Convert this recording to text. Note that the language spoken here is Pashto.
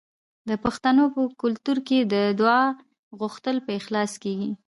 د پښتنو په کلتور کې د دعا غوښتل په اخلاص کیږي.